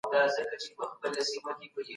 یاد د تمرین له لارې ښه شوی دی.